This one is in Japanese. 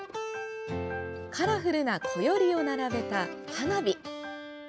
カラフルなこよりを並べた花火。